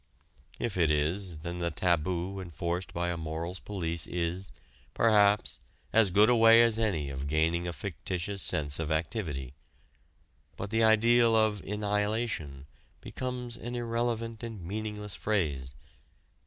If it is, then the taboo enforced by a Morals Police is, perhaps, as good a way as any of gaining a fictitious sense of activity. But the ideal of "annihilation" becomes an irrelevant and meaningless phrase.